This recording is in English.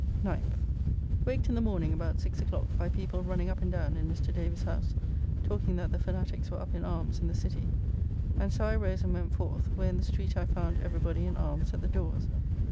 9th. Waked in the morning about six o'clock, by people running up and down in Mr. Davis's house, talking that the Fanatiques were up in arms in the City. And so I rose and went forth; where in the street I found every body in arms at the doors.